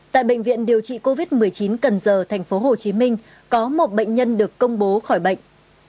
tại bệnh viện điều trị covid một mươi chín cần giờ tp hcm có một bệnh nhân được công bố khỏi bệnh